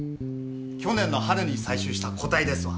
去年の春に採集した個体ですわ。